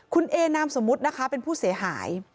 คุณเอนามสมมุตินะคะเป็นผู้เสียหาย